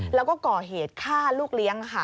แล้วก็ก่อเหตุฆ่าลูกเลี้ยง